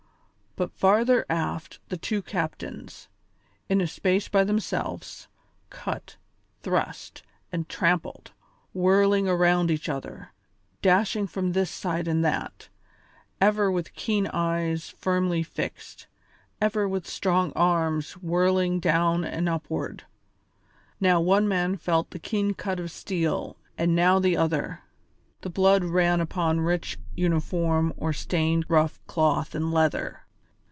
But farther aft the two captains, in a space by themselves, cut, thrust, and trampled, whirling around each other, dashing from this side and that, ever with keen eyes firmly fixed, ever with strong arms whirling down and upward; now one man felt the keen cut of steel and now the other. The blood ran upon rich uniform or stained rough cloth and leather.